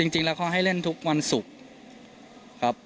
จริงแล้วเขาให้เล่นทุกวันศุกร์ครับ